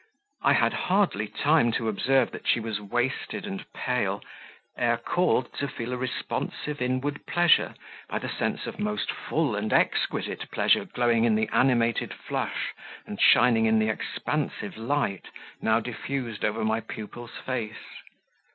I had hardly time to observe that she was wasted and pale, ere called to feel a responsive inward pleasure by the sense of most full and exquisite pleasure glowing in the animated flush, and shining in the expansive light, now diffused over my pupil's face.